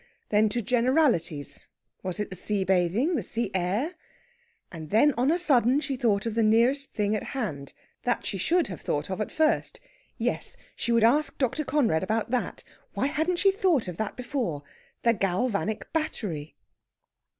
Then to generalities. Was it the sea bathing? the sea air? And then on a sudden she thought of the thing nearest at hand, that she should have thought of at first. Yes! she would ask Dr. Conrad about that: Why hadn't she thought of that before that galvanic battery?